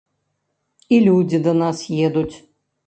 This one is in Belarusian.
І людзі да нас едуць!